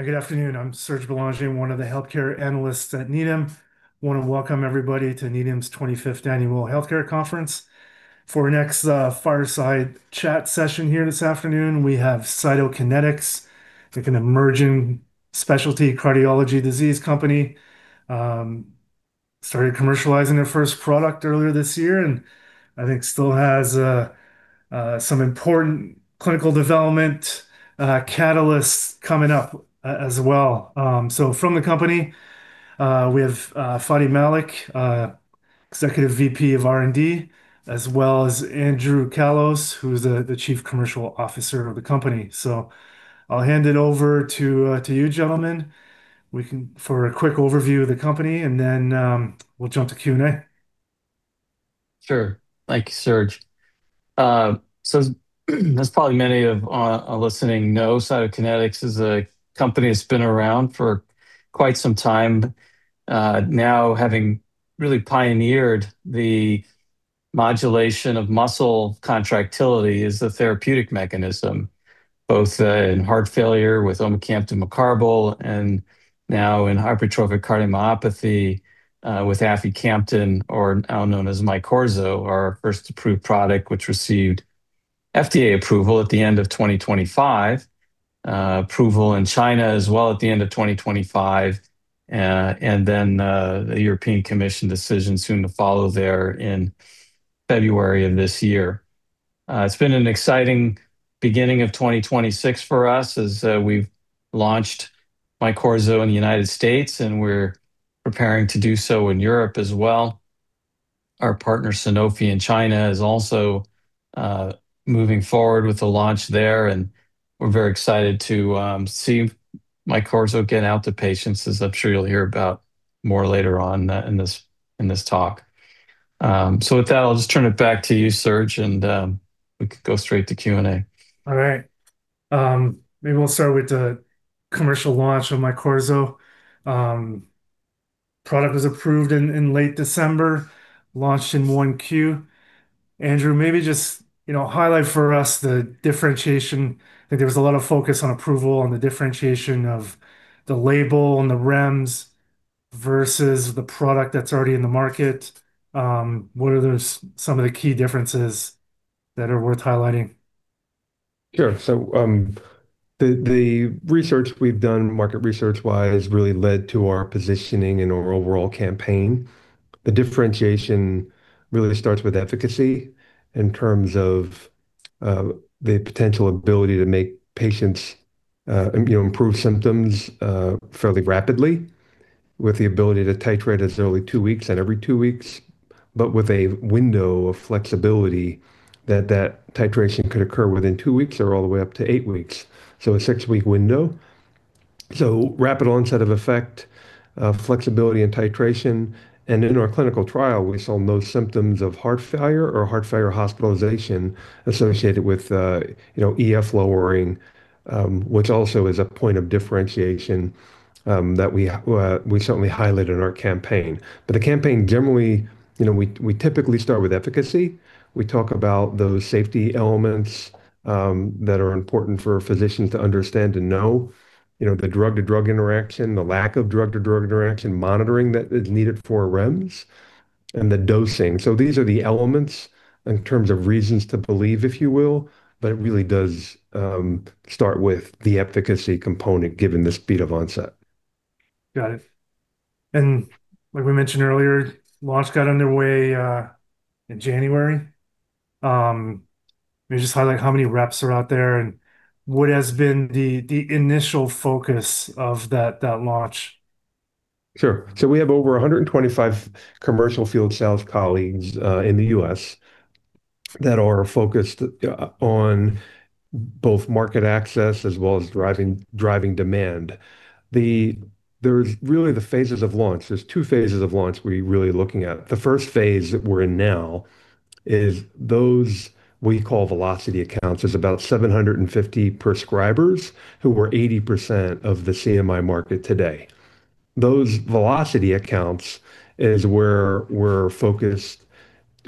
Good afternoon. I'm Serge Belanger, one of the healthcare analysts at Needham. Want to welcome everybody to Needham's 25th Annual Healthcare Conference. For our next fireside chat session here this afternoon, we have Cytokinetics, like an emerging specialty cardiology disease company. Started commercializing their first product earlier this year, and I think still has some important clinical development catalysts coming up as well. From the company, we have Fady I. Malik, Executive VP of R&D, as well as Andrew Callos, who's the Chief Commercial Officer of the company. I'll hand it over to you gentlemen for a quick overview of the company, and then we'll jump to Q&A. Sure. Thank you, Serge. As probably many listening know, Cytokinetics is a company that's been around for quite some time now, having really pioneered the modulation of muscle contractility as the therapeutic mechanism, both in heart failure with omecamtiv mecarbil and now in hypertrophic cardiomyopathy with aficamten, or now known as MYQORZO, our first approved product, which received FDA approval at the end of 2025, approval in China as well at the end of 2025, and then the European Commission decision soon to follow there in February of this year. It's been an exciting beginning of 2026 for us as we've launched MYQORZO in the United States, and we're preparing to do so in Europe as well. Our partner, Sanofi in China, is also moving forward with the launch there, and we're very excited to see MYQORZO get out to patients, as I'm sure you'll hear about more later on in this talk. With that, I'll just turn it back to you, Serge, and we could go straight to Q&A. All right. Maybe we'll start with the commercial launch of MYQORZO. Product was approved in late December, launched in 1Q. Andrew, maybe just highlight for us the differentiation. I think there was a lot of focus on approval and the differentiation of the label and the REMS versus the product that's already in the market. What are some of the key differences that are worth highlighting? Sure. The research we've done market research-wise really led to our positioning and our overall campaign. The differentiation really starts with efficacy in terms of the potential ability to make patients improve symptoms fairly rapidly with the ability to titrate as early two weeks and every two weeks, but with a window of flexibility that titration could occur within two weeks or all the way up to eight weeks. A six-week window. Rapid onset of effect, flexibility in titration, and in our clinical trial, we saw no symptoms of heart failure or heart failure hospitalization associated with EF lowering, which also is a point of differentiation that we certainly highlight in our campaign. The campaign generally, we typically start with efficacy. We talk about those safety elements that are important for physicians to understand and know. The drug-to-drug interaction, the lack of drug-to-drug interaction, monitoring that is needed for REMS, and the dosing, these are the elements in terms of reasons to believe, if you will, but it really does start with the efficacy component, given the speed of onset. Got it. Like we mentioned earlier, launch got underway in January. Maybe just highlight how many reps are out there, and what has been the initial focus of that launch? Sure. We have over 125 commercial field sales colleagues in the U.S. that are focused on both market access as well as driving demand. There's really the phases of launch. There's two phases of launch we're really looking at. The first phase that we're in now is those we call velocity accounts. There's about 750 prescribers who were 80% of the CMI market today. Those velocity accounts is where we're focused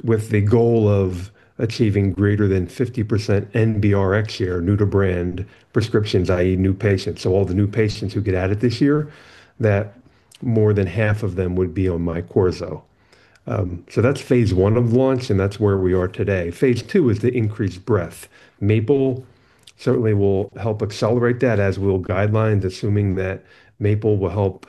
with the goal of achieving greater than 50% NBRX share, new to brand prescriptions, i.e., new patients. All the new patients who get added this year, that more than half of them would be on MYQORZO. That's phase I of launch, and that's where we are today. Phase II is the increased breadth. MAPLE certainly will help accelerate that, as will guidelines, assuming that MAPLE will help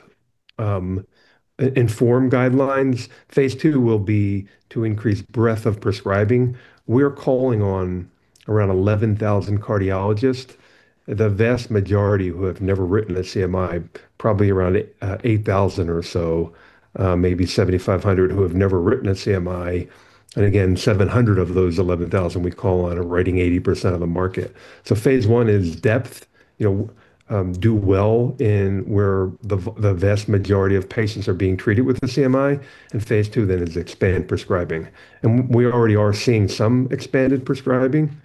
inform guidelines. Phase II will be to increase breadth of prescribing. We're calling on around 11,000 cardiologists, the vast majority who have never written a CMI, probably around 8,000 or so, maybe 7,500 who have never written a CMI. Again, 700 of those 11,000 we call on are writing 80% of the market. Phase I is depth, do well in where the vast majority of patients are being treated with the CMI. Phase II then is expand prescribing. We already are seeing some expanded prescribing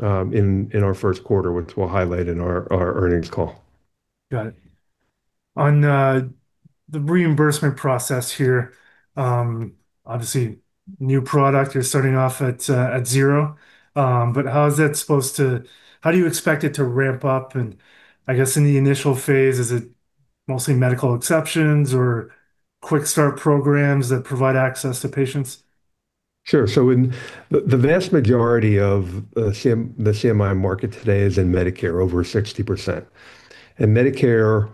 in our first quarter, which we'll highlight in our earnings call. Got it. On the reimbursement process here, obviously, new product, you're starting off at zero. How do you expect it to ramp up? I guess in the initial phase, is it mostly medical exceptions or quick start programs that provide access to patients? Sure. The vast majority of the CMI market today is in Medicare, over 60%. In Medicare,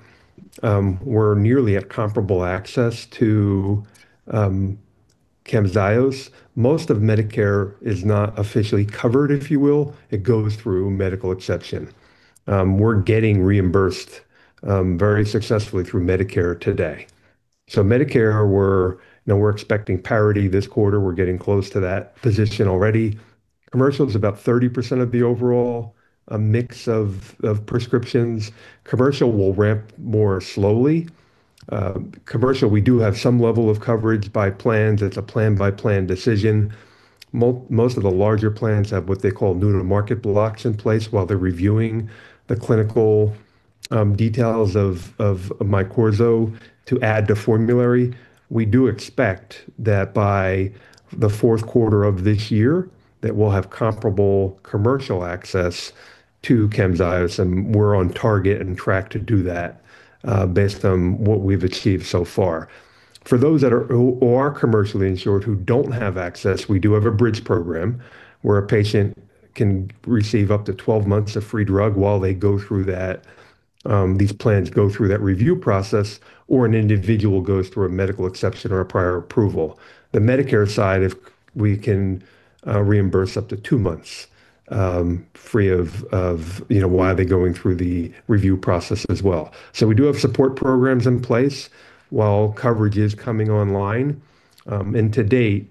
we're nearly at comparable access to CAMZYOS. Most of Medicare is not officially covered, if you will. It goes through medical exception. We're getting reimbursed very successfully through Medicare today. Medicare, we're expecting parity this quarter. We're getting close to that position already. Commercial is about 30% of the overall, a mix of prescriptions. Commercial will ramp more slowly. Commercial, we do have some level of coverage by plans. It's a plan-by-plan decision. Most of the larger plans have what they call new-to-market blocks in place while they're reviewing the clinical details of MYQORZO to add to formulary. We do expect that by the fourth quarter of this year that we'll have comparable commercial access to CAMZYOS, and we're on target and track to do that based on what we've achieved so far. For those who are commercially insured who don't have access, we do have a bridge program where a patient can receive up to 12 months of free drug while these plans go through that review process, or an individual goes through a medical exception or a prior approval. The Medicare side, we can reimburse up to two months free while they're going through the review process as well. We do have support programs in place while coverage is coming online. To date,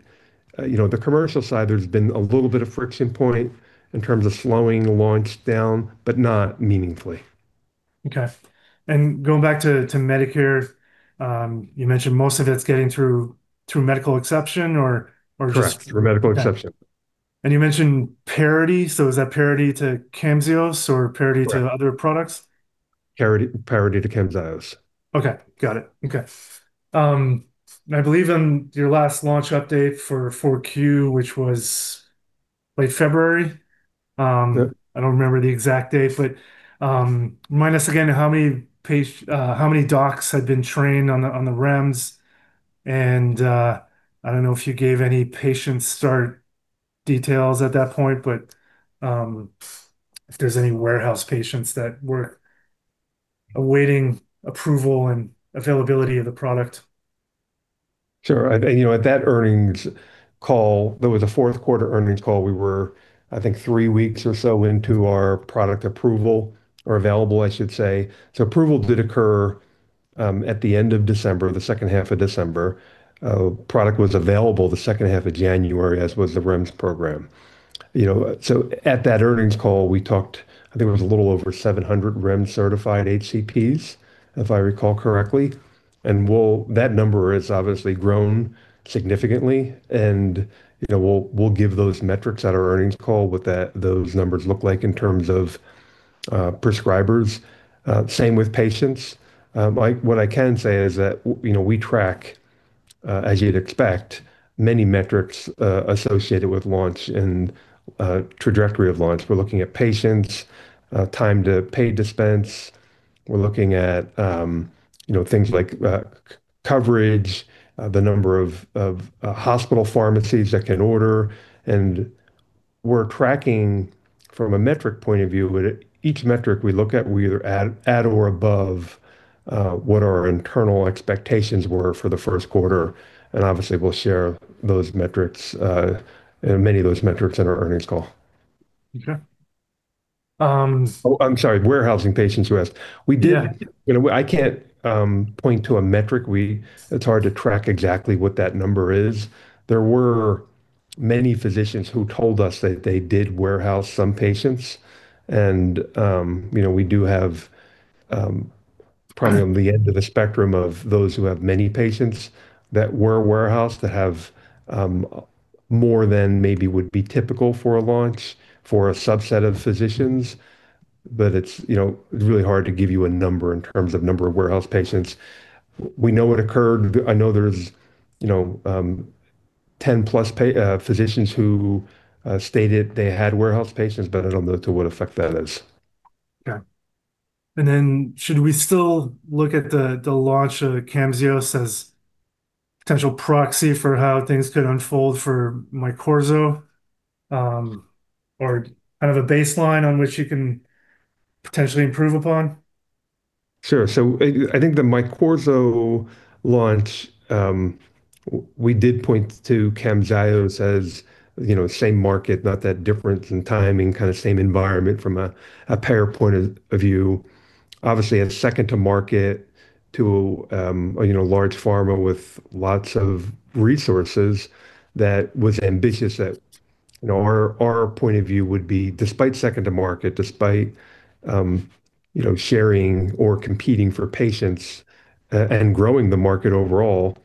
the commercial side, there's been a little bit of friction point in terms of slowing launch down, but not meaningfully. Okay. Going back to Medicare, you mentioned most of it's getting through medical exception. Correct, through medical exception. You mentioned parity. Is that parity to CAMZYOS or parity to other products? Parity to CAMZYOS. Okay. Got it. Okay. I believe in your last launch update for Q4, which was late February. Yep. I don't remember the exact date, but remind us again, how many docs had been trained on the REMS? I don't know if you gave any patient start details at that point, but if there's any warehouse patients that were awaiting approval and availability of the product. Sure. At that earnings call, that was the fourth quarter earnings call, we were, I think, three weeks or so into our product approval or available, I should say. Approval did occur at the end of December, the second half of December. Product was available the second half of January, as was the REMS program. At that earnings call, we talked, I think it was a little over 700 REMS-certified HCPs, if I recall correctly. That number has obviously grown significantly, and we'll give those metrics at our earnings call, what those numbers look like in terms of prescribers. Same with patients. What I can say is that we track, as you'd expect, many metrics associated with launch and trajectory of launch. We're looking at patients, time to paid dispense. We're looking at things like coverage, the number of hospital pharmacies that can order. We're tracking from a metric point of view, but at each metric we look at, we're either at or above what our internal expectations were for the first quarter. Obviously, we'll share many of those metrics in our earnings call. Okay. Oh, I'm sorry. Warehousing patients you asked. Yeah. I can't point to a metric. It's hard to track exactly what that number is. There were many physicians who told us that they did warehouse some patients, and we do have probably on the end of the spectrum of those who have many patients that were warehoused, that have more than maybe would be typical for a launch for a subset of physicians. It's really hard to give you a number in terms of number of warehouse patients. We know it occurred. I know there's 10+ physicians who stated they had warehouse patients, but I don't know to what effect that is. Okay. Should we still look at the launch of CAMZYOS as potential proxy for how things could unfold for MYQORZO, or kind of a baseline on which you can potentially improve upon? Sure. I think the MYQORZO launch, we did point to CAMZYOS as same market, not that different in timing, kind of same environment from a payer point of view. Obviously, a second to market to a large pharma with lots of resources that was ambitious. Our point of view would be despite second to market, despite sharing or competing for patients, and growing the market overall,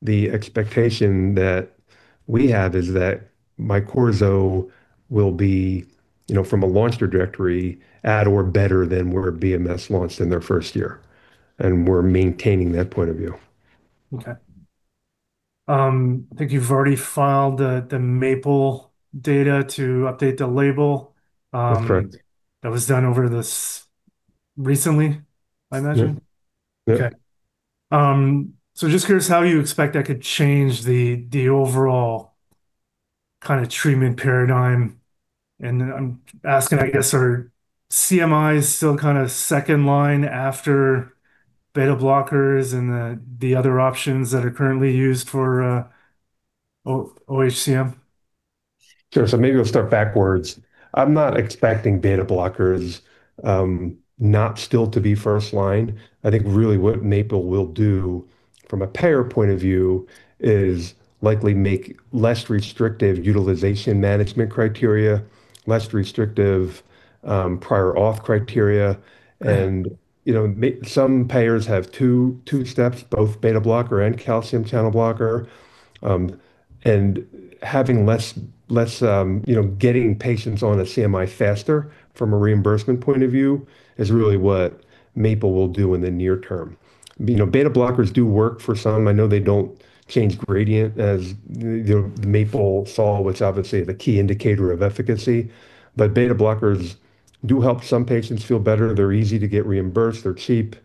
the expectation that we have is that MYQORZO will be, from a launch trajectory, at or better than where BMS launched in their first year. We're maintaining that point of view. Okay. I think you've already filed the MAPLE data to update the label. That's correct. That was done over this recently, I imagine? Yeah. Just curious how you expect that could change the overall kind of treatment paradigm. I'm asking, I guess, are CMIs still kind of second-line after beta blockers and the other options that are currently used for OHCM? Sure, maybe I'll start backwards. I'm not expecting beta blockers not still to be first-line. I think really what MAPLE will do from a payer point of view is likely make less restrictive utilization management criteria, less restrictive prior auth criteria. Okay. Some payers have two steps, both beta blocker and calcium channel blocker. Having less getting patients on a CMI faster from a reimbursement point of view is really what MAPLE will do in the near term. Beta blockers do work for some. I know they don't change gradient as the MAPLE saw, which obviously is a key indicator of efficacy, but beta blockers do help some patients feel better. They're easy to get reimbursed. They're cheap.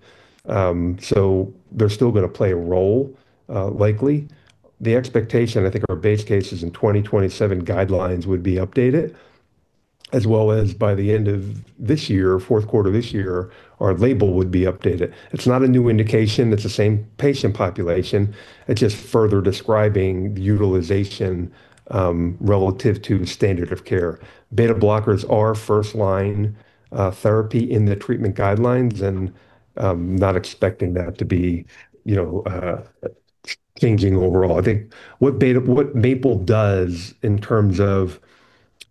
They're still going to play a role, likely. The expectation, I think, our base case is in 2027 guidelines would be updated, as well as by the end of this year, fourth quarter this year, our label would be updated. It's not a new indication. It's the same patient population. It's just further describing the utilization, relative to standard of care. Beta-blockers are first-line therapy in the treatment guidelines, and I'm not expecting that to be changing overall. I think what MAPLE does in terms of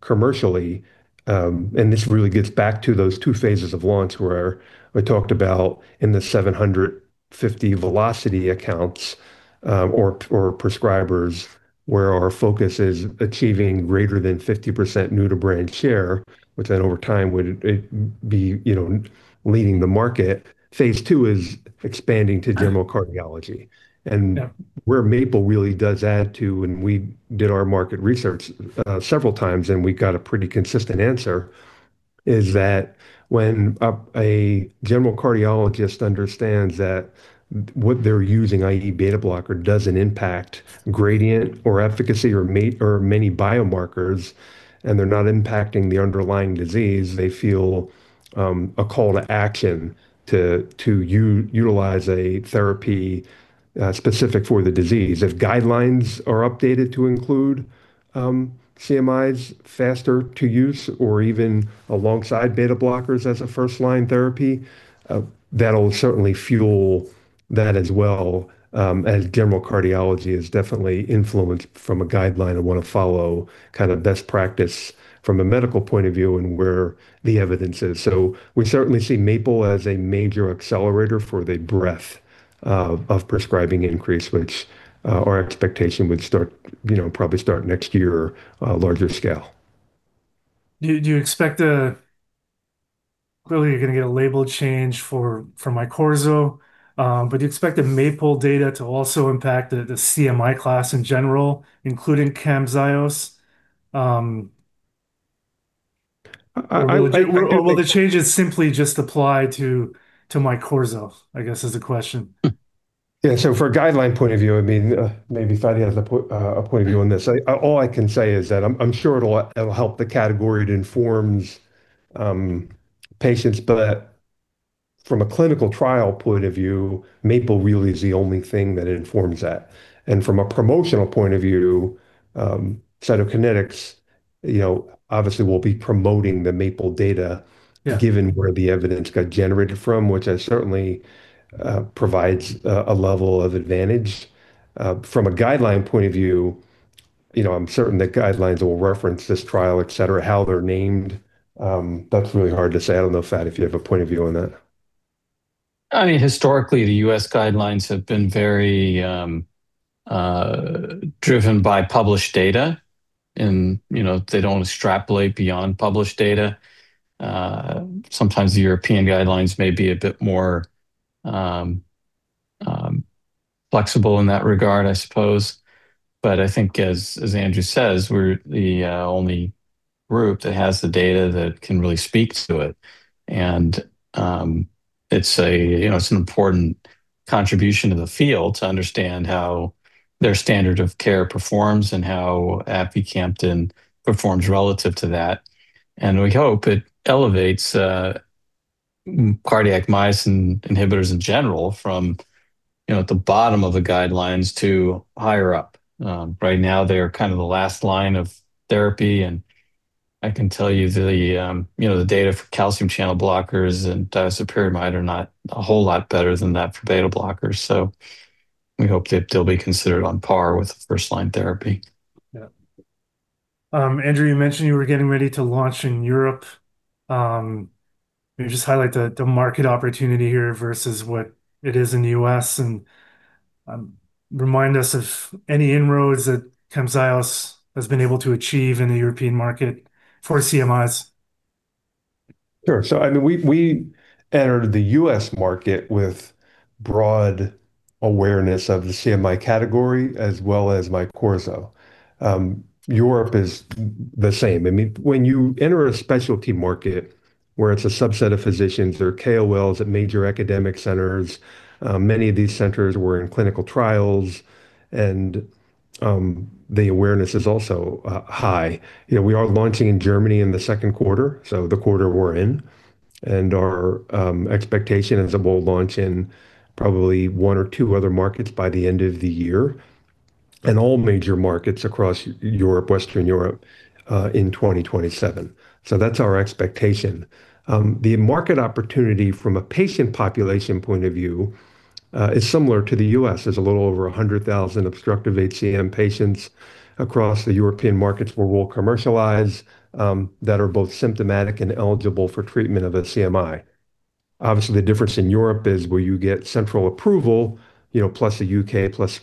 commercially, and this really gets back to those two phases of launch where I talked about in the 750 Velocity accounts, or prescribers, where our focus is achieving greater than 50% new-to-brand share, which then over time would be leading the market. Phase two is expanding to general cardiology. Yeah. Where MAPLE really does add to, and we did our market research several times, and we got a pretty consistent answer, is that when a general cardiologist understands that what they're using, i.e., beta-blocker, doesn't impact gradient or efficacy or many biomarkers, and they're not impacting the underlying disease, they feel a call to action to utilize a therapy specific for the disease. If guidelines are updated to include CMIs faster to use or even alongside beta-blockers as a first-line therapy, that'll certainly fuel that as well, as general cardiology is definitely influenced from a guideline and want to follow best practice from a medical point of view and where the evidence is. We certainly see MAPLE as a major accelerator for the breadth of prescribing increase, which our expectation would probably start next year on a larger scale. Clearly, you're going to get a label change for MYQORZO, but do you expect the MAPLE data to also impact the CMI class in general, including CAMZYOS? Will the changes simply just apply to MYQORZO, I guess is the question. Yeah. From a guideline point of view, maybe Fady has a point of view on this. All I can say is that I'm sure it'll help the category. It informs patients. From a clinical trial point of view, MAPLE really is the only thing that informs that. From a promotional point of view, Cytokinetics obviously will be promoting the MAPLE data. Yeah Given where the evidence got generated from, which certainly provides a level of advantage. From a guideline point of view, I'm certain that guidelines will reference this trial, et cetera. How they're named, that's really hard to say. I don't know, Fady, if you have a point of view on that. Historically, the U.S. guidelines have been very driven by published data, and they don't extrapolate beyond published data. Sometimes the European guidelines may be a bit more flexible in that regard, I suppose. I think, as Andrew says, we're the only group that has the data that can really speak to it. It's an important contribution to the field to understand how their standard of care performs and how aficamten performs relative to that. We hope it elevates cardiac myosin inhibitors in general from the bottom of the guidelines to higher up. Right now, they are kind of the last line of therapy, and I can tell you the data for calcium channel blockers and disopyramide are not a whole lot better than that for beta blockers. We hope that they'll be considered on par with first-line therapy. Yeah. Andrew, you mentioned you were getting ready to launch in Europe. Maybe just highlight the market opportunity here versus what it is in the U.S., and remind us of any inroads that CAMZYOS has been able to achieve in the European market for CMIs. Sure. We entered the U.S. market with broad awareness of the CMI category, as well as MYQORZO. Europe is the same. When you enter a specialty market where it's a subset of physicians or KOLs at major academic centers, many of these centers were in clinical trials, and the awareness is also high. We are launching in Germany in the second quarter, so the quarter we're in. Our expectation is that we'll launch in probably one or two other markets by the end of the year and all major markets across Europe, Western Europe, in 2027. That's our expectation. The market opportunity from a patient population point of view is similar to the U.S. There's a little over 100,000 obstructive HCM patients across the European markets where we'll commercialize that are both symptomatic and eligible for treatment of a CMI. Obviously, the difference in Europe is where you get central approval, plus the U.K., plus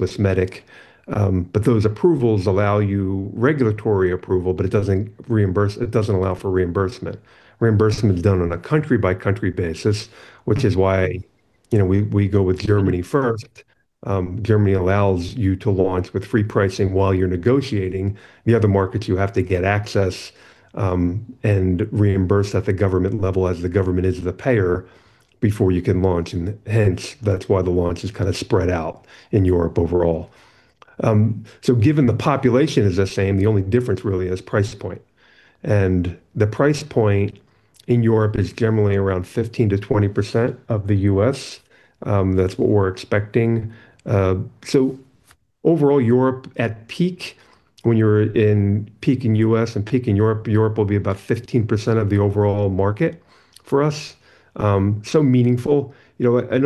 Swissmedic. Those approvals allow you regulatory approval, but it doesn't allow for reimbursement. Reimbursement is done on a country-by-country basis, which is why we go with Germany first. Germany allows you to launch with free pricing while you're negotiating. The other markets, you have to get access, and reimburse at the government level as the government is the payer before you can launch, and hence, that's why the launch is kind of spread out in Europe overall. Given the population is the same, the only difference really is price point. The price point in Europe is generally around 15%-20% of the U.S. That's what we're expecting. Overall, Europe at peak, when you're in peak in U.S. and peak in Europe will be about 15% of the overall market for us, meaningful. I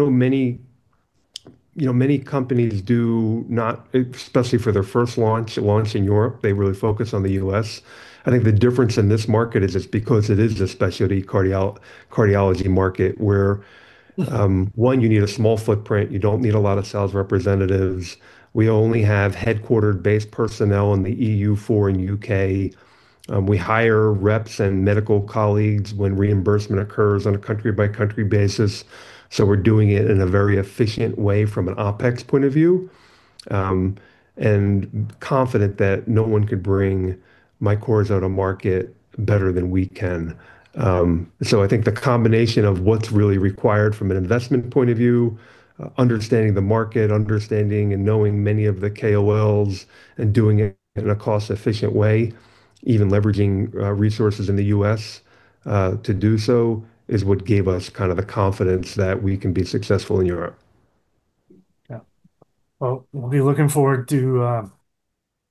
know many companies do not, especially for their first launch in Europe. They really focus on the U.S. I think the difference in this market is it's because it is a specialty cardiology market where, one, you need a small footprint. You don't need a lot of sales representatives. We only have headquarters-based personnel in the EU4 and U.K. We hire reps and medical colleagues when reimbursement occurs on a country-by-country basis. We're doing it in a very efficient way from an OpEx point of view, and confident that no one could bring MYQORZO to market better than we can. I think the combination of what's really required from an investment point of view, understanding the market, understanding and knowing many of the KOLs, and doing it in a cost-efficient way, even leveraging resources in the U.S. to do so, is what gave us the confidence that we can be successful in Europe. Yeah. Well, we'll be looking forward to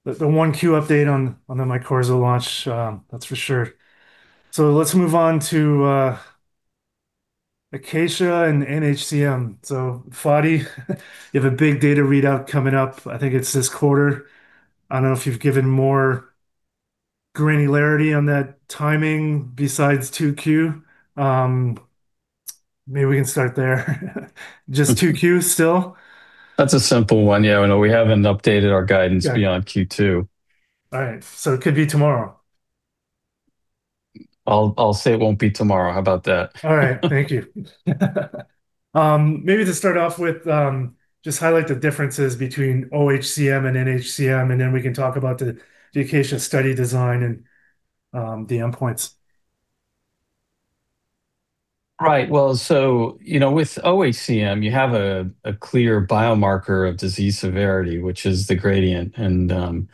the Q1 update on the MYQORZO launch, that's for sure. Let's move on to ACACIA-HCM and NHCM. Fady, you have a big data readout coming up. I think it's this quarter. I don't know if you've given more granularity on that timing besides Q2. Maybe we can start there. Just Q2 still? That's a simple one. Yeah, I know we haven't updated our guidance. Yeah Beyond Q2. All right. It could be tomorrow. I'll say it won't be tomorrow. How about that? All right. Thank you. Maybe to start off with, just highlight the differences between OHCM and NHCM, and then we can talk about the ACACIA study design and the endpoints. Right. Well, with OHCM, you have a clear biomarker of disease severity, which is the gradient, and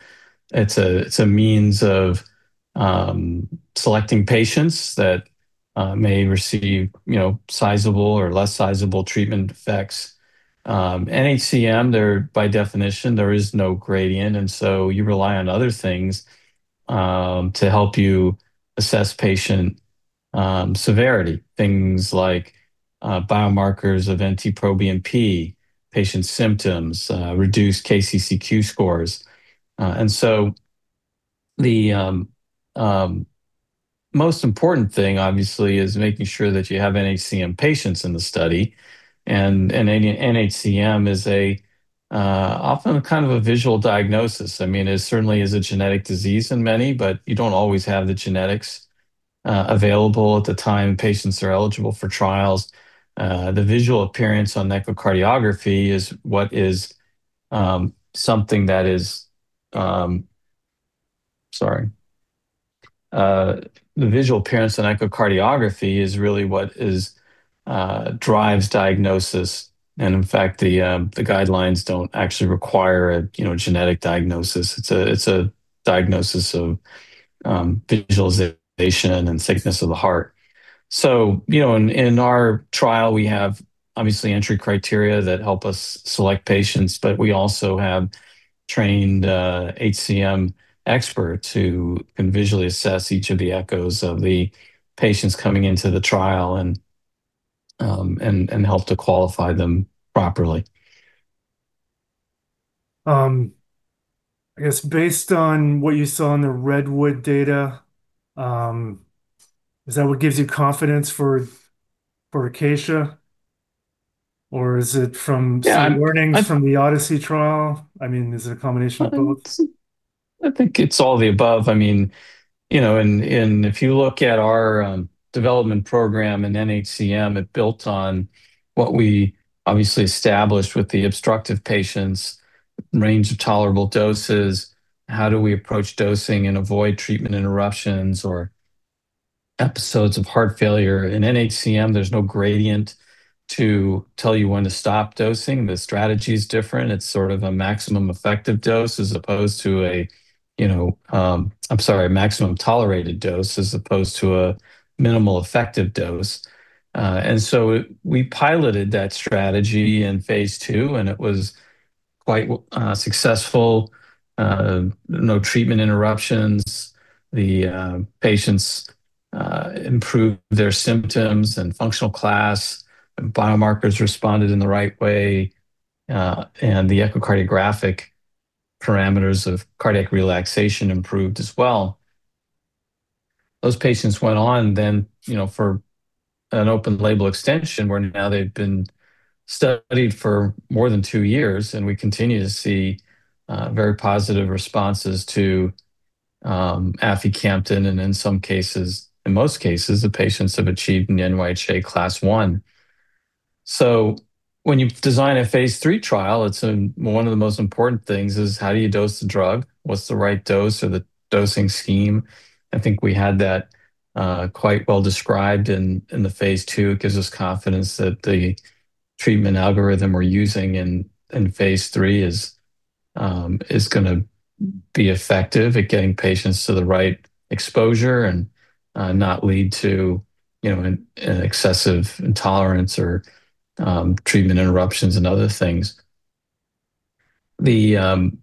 it's a means of selecting patients that may receive sizable or less sizable treatment effects. NHCM, by definition, there is no gradient, and so you rely on other things to help you assess patient severity, things like biomarkers of NT-proBNP, patient symptoms, reduced KCCQ scores. The most important thing, obviously, is making sure that you have NHCM patients in the study, and NHCM is often a kind of a visual diagnosis. It certainly is a genetic disease in many, but you don't always have the genetics available at the time patients are eligible for trials. The visual appearance on echocardiography is really what drives diagnosis, and in fact, the guidelines don't actually require a genetic diagnosis. It's a diagnosis of visualization and thickness of the heart. In our trial, we have, obviously, entry criteria that help us select patients, but we also have trained HCM expert who can visually assess each of the echoes of the patients coming into the trial, and help to qualify them properly. I guess based on what you saw in the REDWOOD-HCM data, is that what gives you confidence for ACACIA? Yeah Warnings from the ODYSSEY-HCM trial? Is it a combination of both? I think it's all the above. If you look at our development program in NHCM, it built on what we obviously established with the obstructive patients, range of tolerable doses, how do we approach dosing and avoid treatment interruptions or episodes of heart failure. In NHCM, there's no gradient to tell you when to stop dosing. The strategy is different. It's sort of a maximum effective dose as opposed to a-- I'm sorry, maximum tolerated dose as opposed to a minimal effective dose. And so we piloted that strategy in phase two and it was quite successful. No treatment interruptions. The patients improved their symptoms and functional class, and biomarkers responded in the right way, and the echocardiographic parameters of cardiac relaxation improved as well. Those patients went on then for an open-label extension, where now they've been studied for more than two years, and we continue to see very positive responses to aficamten, and in most cases, the patients have achieved an NYHA Class I. When you design a phase III trial, one of the most important things is how do you dose the drug? What's the right dose or the dosing scheme? I think we had that quite well described in the phase II. It gives us confidence that the treatment algorithm we're using in phase III is going to be effective at getting patients to the right exposure and not lead to an excessive intolerance or treatment interruptions and other things. The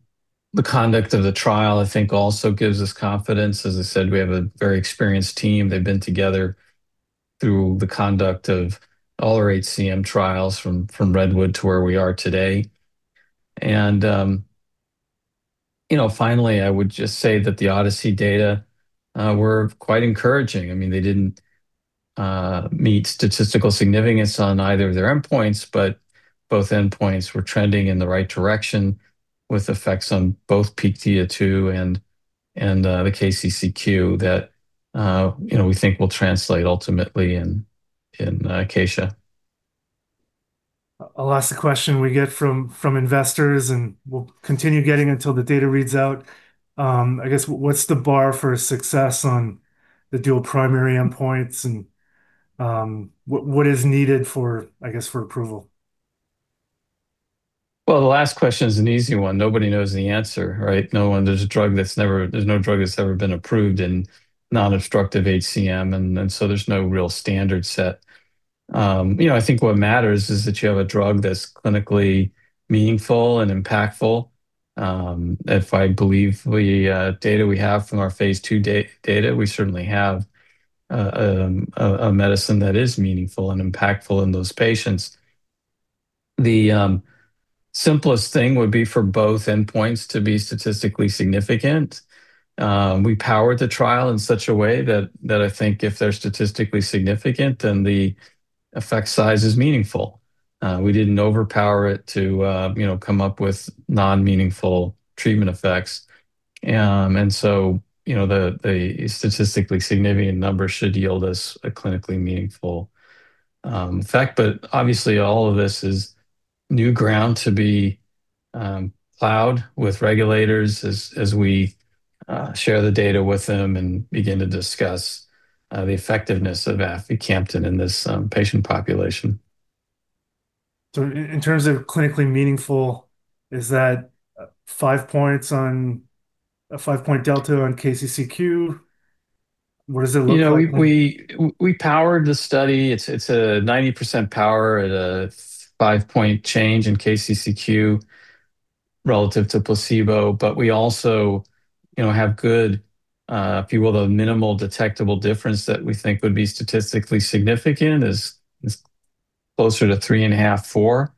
conduct of the trial, I think, also gives us confidence. As I said, we have a very experienced team. They've been together through the conduct of all our HCM trials from REDWOOD-HCM to where we are today. Finally, I would just say that the ODYSSEY-HCM data were quite encouraging. They didn't meet statistical significance on either of their endpoints, but both endpoints were trending in the right direction with effects on both peak VO2 and the KCCQ that we think will translate ultimately in ACACIA. I'll ask the question we get from investors, and we'll continue getting until the data reads out. I guess, what's the bar for success on the dual primary endpoints and what is needed for approval? Well, the last question is an easy one. Nobody knows the answer, right? There's no drug that's ever been approved in non-obstructive HCM, and so there's no real standard set. I think what matters is that you have a drug that's clinically meaningful and impactful. If I believe the data we have from our phase II data, we certainly have a medicine that is meaningful and impactful in those patients. The simplest thing would be for both endpoints to be statistically significant. We powered the trial in such a way that I think if they're statistically significant, then the effect size is meaningful. We didn't overpower it to come up with non-meaningful treatment effects. The statistically significant number should yield us a clinically meaningful effect. Obviously, all of this is new ground to be plowed with regulators as we share the data with them and begin to discuss the effectiveness of aficamten in this patient population. In terms of clinically meaningful, is that a five-point delta on KCCQ? What does it look like? We powered the study. It's a 90% power at a five-point change in KCCQ relative to placebo. We also have good, if you will, the minimal detectable difference that we think would be statistically significant is closer to three and a half-four.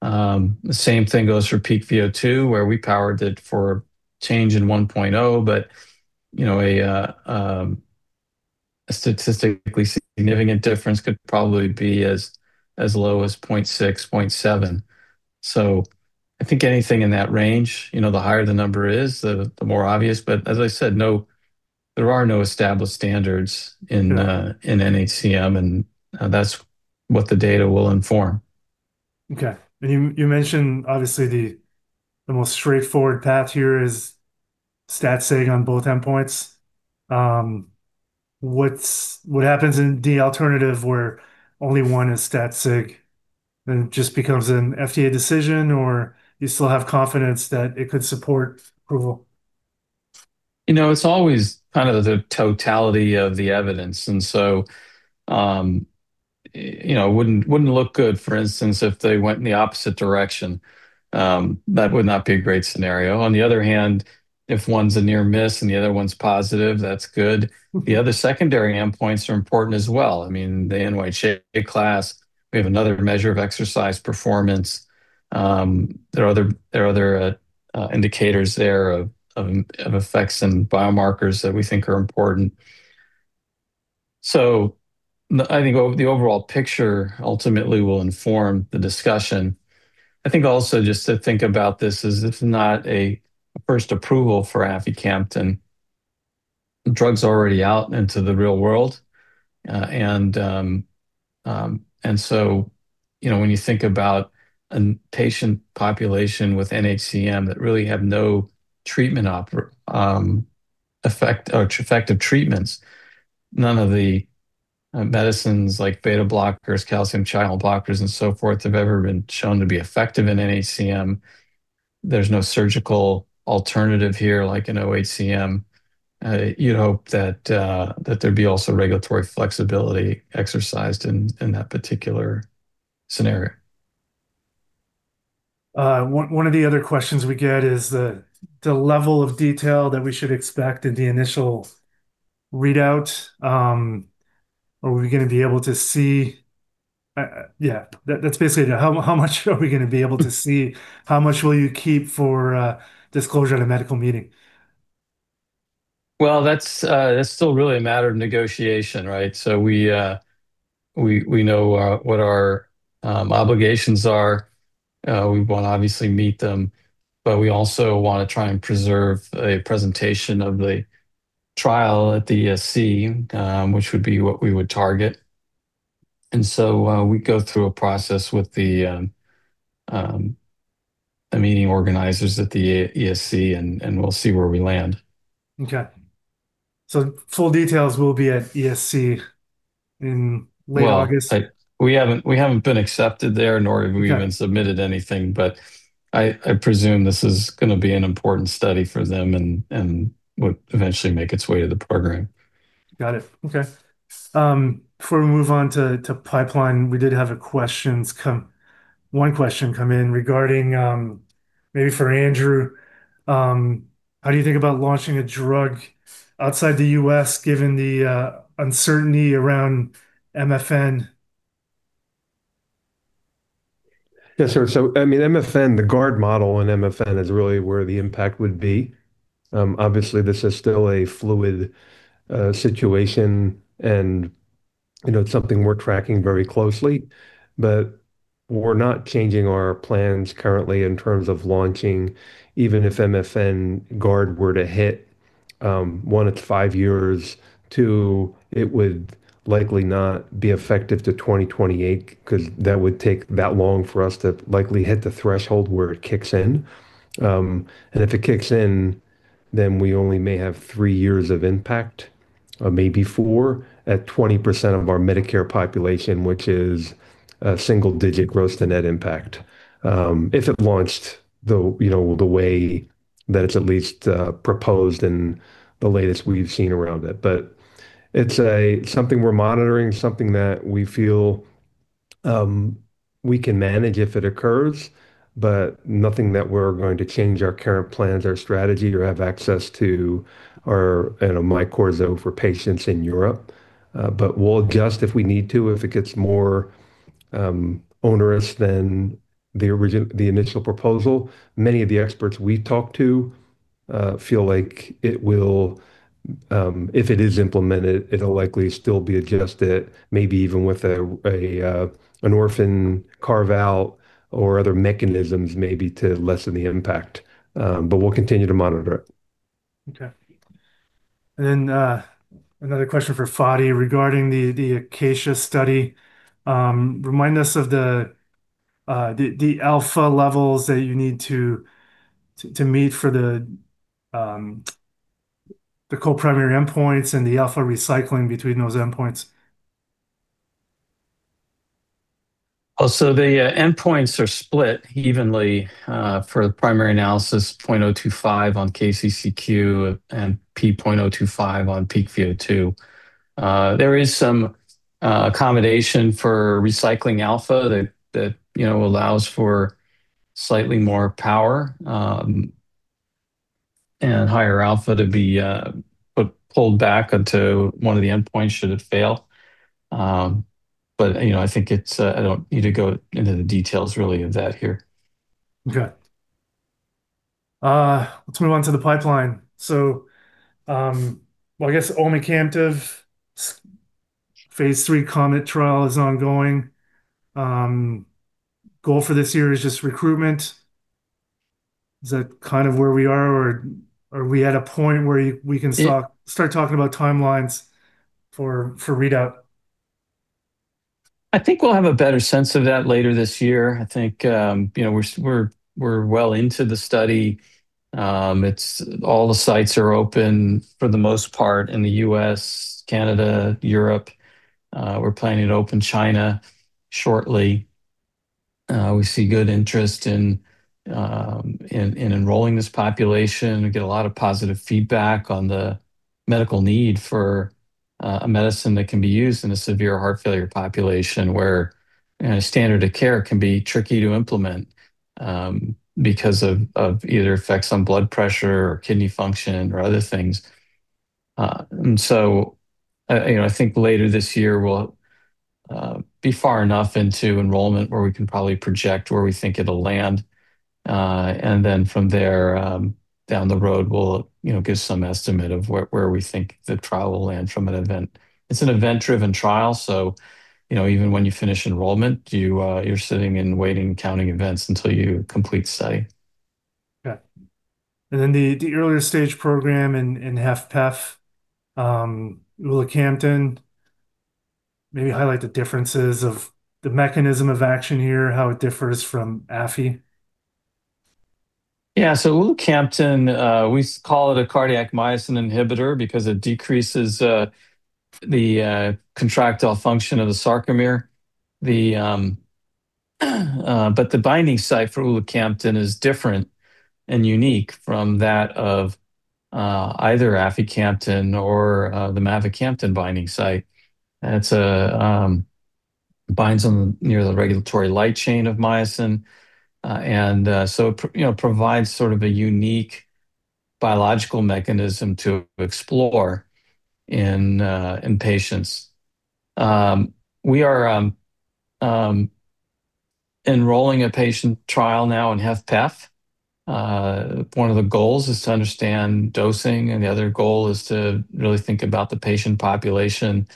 The same thing goes for peak VO2, where we powered it for change in 1.0, but a statistically significant difference could probably be as low as 0.6-0.7. I think anything in that range, the higher the number is, the more obvious. As I said, there are no established standards in NHCM, and that's what the data will inform. Okay. You mentioned obviously the most straightforward path here is stat sig on both endpoints. What happens in the alternative where only one is stat sig, and it just becomes an FDA decision, or you still have confidence that it could support approval? It's always the totality of the evidence, and so it wouldn't look good, for instance, if they went in the opposite direction. That would not be a great scenario. On the other hand, if one's a near miss and the other one's positive, that's good. The other secondary endpoints are important as well. The NYHA class, we have another measure of exercise performance. There are other indicators there of effects and biomarkers that we think are important. So I think the overall picture ultimately will inform the discussion. I think also just to think about this as it's not a first approval for aficamten. The drug's already out into the real world. And so when you think about a patient population with NHCM that really have no effective treatments, none of the medicines like beta-blockers, calcium channel blockers, and so forth, have ever been shown to be effective in NHCM. There's no surgical alternative here like in OHCM. You'd hope that there'd be also regulatory flexibility exercised in that particular scenario. One of the other questions we get is the level of detail that we should expect in the initial readout. Are we going to be able to see? Yeah, that's basically it. How much are we going to be able to see? How much will you keep for disclosure at a medical meeting? Well, that's still really a matter of negotiation, right? We know what our obligations are. We want to obviously meet them, but we also want to try and preserve a presentation of the trial at the ESC, which would be what we would target. We go through a process with the meeting organizers at the ESC, and we'll see where we land. Okay. Full details will be at ESC in late August? Well, we haven't been accepted there, nor have we even submitted anything, but I presume this is going to be an important study for them and would eventually make its way to the program. Got it. Okay. Before we move on to pipeline, we did have one question come in regarding, maybe for Andrew, how do you think about launching a drug outside the U.S. given the uncertainty around MFN? Yes, sir. MFN, the GUARD Model in MFN is really where the impact would be. Obviously, this is still a fluid situation and it's something we're tracking very closely. We're not changing our plans currently in terms of launching, even if MFN GUARD were to hit, one, at five years. Two, it would likely not be effective to 2028 because that would take that long for us to likely hit the threshold where it kicks in. If it kicks in, then we only may have three years of impact, or maybe four, at 20% of our Medicare population, which is a single-digit gross-to-net impact. If it launched the way that it's at least proposed in the latest we've seen around it. It's something we're monitoring, something that we feel we can manage if it occurs, but nothing that we're going to change our current plans, our strategy, or have access to our MYQORZO for patients in Europe. We'll adjust if we need to, if it gets more onerous than the initial proposal. Many of the experts we talk to feel like, if it is implemented, it'll likely still be adjusted, maybe even with an orphan carve-out or other mechanisms maybe to lessen the impact. We'll continue to monitor it. Okay. Another question for Fady regarding the ACACIA study. Remind us of the alpha levels that you need to meet for the co-primary endpoints and the alpha recycling between those endpoints. The endpoints are split evenly for the primary analysis, 0.025 on KCCQ and 0.025 on peak VO2. There is some accommodation for recycling alpha that allows for slightly more power and higher alpha to be pulled back until one of the endpoints should it fail. I think I don't need to go into the details really of that here. Okay. Let's move on to the pipeline. Well, I guess omecamtiv phase III COMET-HF trial is ongoing. Goal for this year is just recruitment. Is that kind of where we are, or are we at a point where we can start talking about timelines for readout? I think we'll have a better sense of that later this year. I think we're well into the study. All the sites are open for the most part in the U.S., Canada, Europe. We're planning to open China shortly. We see good interest in enrolling this population. We get a lot of positive feedback on the medical need for a medicine that can be used in a severe heart failure population where a standard of care can be tricky to implement because of either effects on blood pressure or kidney function or other things. I think later this year we'll be far enough into enrollment where we can probably project where we think it'll land. From there, down the road, we'll give some estimate of where we think the trial will land from an event. It's an event-driven trial, so even when you finish enrollment, you're sitting and waiting, counting events until you complete study. Okay. The earlier stage program in HFpEF, ulacamten, maybe highlight the differences of the mechanism of action here, how it differs from aficamten. Yeah. Ulacamten, we call it a cardiac myosin inhibitor because it decreases the contractile function of the sarcomere. The binding site for ulacamten is different and unique from that of either aficamten or the mavacamten binding site. It binds on near the regulatory light chain of myosin. It provides sort of a unique biological mechanism to explore in patients. We are enrolling a patient trial now in HFpEF. One of the goals is to understand dosing, and the other goal is to really think about the patient population,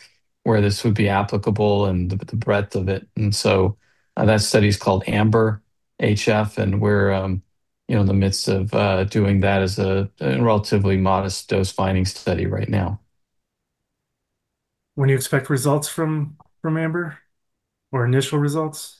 where this would be applicable and the breadth of it. That study is called AMBER-HFpEF, and we're in the midst of doing that as a relatively modest dose-finding study right now. When do you expect results from AMBER-HFpEF, or initial results?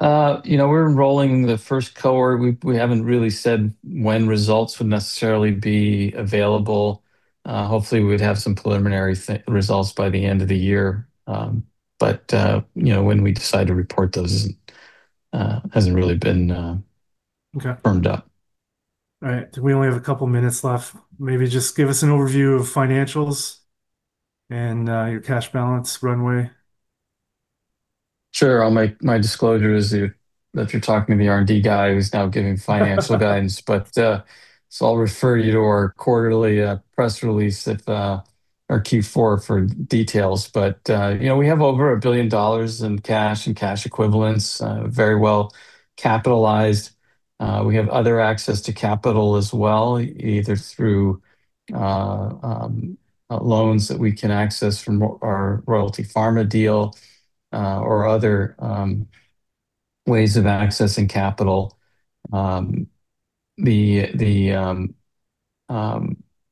We're enrolling the first cohort. We haven't really said when results would necessarily be available. Hopefully, we'd have some preliminary results by the end of the year. When we decide to report those hasn't really been firmed up. All right. We only have a couple minutes left. Maybe just give us an overview of financials and your cash balance runway. Sure. My disclosure is that you're talking to the R&D guy who's now giving financial guidance. But, so I'll refer you to our quarterly press release at our Q4 for details. But we have over a billion dollars in cash and cash equivalents, very well-capitalized. We have other access to capital as well, either through loans that we can access from our Royalty Pharma deal, or other ways of accessing capital.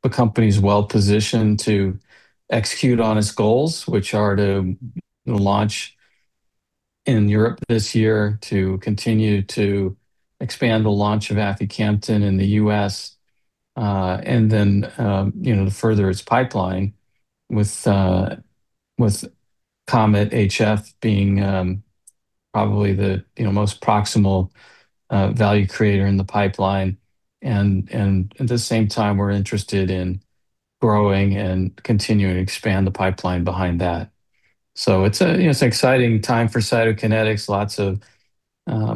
The company's well-positioned to execute on its goals, which are to launch in Europe this year, to continue to expand the launch of aficamten in the U.S., and then to further its pipeline with COMET-HF being probably the most proximal value creator in the pipeline. At the same time, we're interested in growing and continuing to expand the pipeline behind that. It's an exciting time for Cytokinetics. Lots of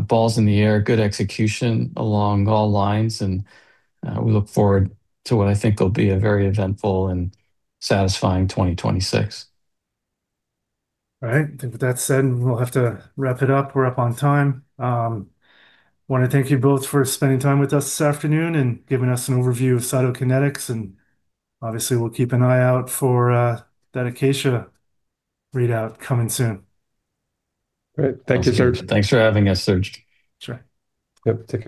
balls in the air, good execution along all lines. We look forward to what I think will be a very eventful and satisfying 2026. All right. I think with that said, we'll have to wrap it up. We're up on time. I want to thank you both for spending time with us this afternoon and giving us an overview of Cytokinetics, and obviously we'll keep an eye out for that ACACIA readout coming soon. Great. Thank you, Serge. Thanks for having us, Serge. That's right. Yep. Take care.